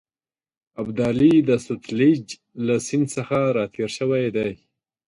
ابدالي د سوتلیج له سیند څخه را تېر شوی دی.